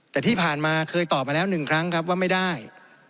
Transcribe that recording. แต่ที่ผ่านมาเคยตอบมาแล้ว๑ครั้งครับว่าไม่ได้